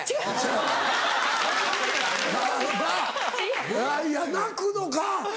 いやいや泣くのか。